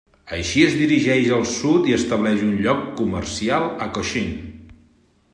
Així es dirigeix al sud i estableix un lloc comercial a Cochin.